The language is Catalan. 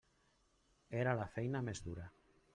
Era la feina més dura.